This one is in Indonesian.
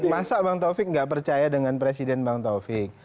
masa bang taufik nggak percaya dengan presiden bang taufik